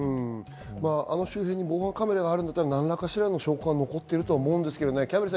あの周辺に防犯カメラがあるんだったら何らかの証拠が残っていると思うんですけど。